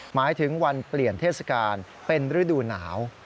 หมายถึงวันเปลี่ยนเทศกาลเป็นฤดูหนาว